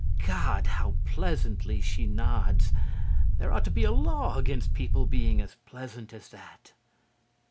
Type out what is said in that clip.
God, how pleasantly she nods! There ought to be a law against people being as pleasant as that.